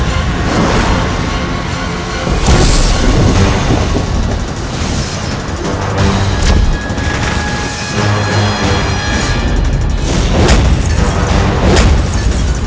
aku akan membawanya pergi dari sini